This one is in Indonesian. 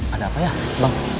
ada apa ya bang